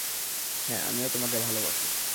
হ্যাঁ, আমিও তোমাকে ভালোবাসি!